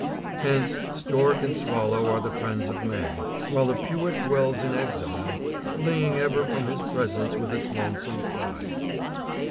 Hence stork and swallow are the friends of man, while the pewit dwells in exile, fleeing ever from his presence with its lonesome cry.